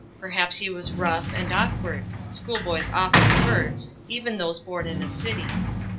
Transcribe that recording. Perhaps he was rough and awkward; school boys often were, even those born in a city.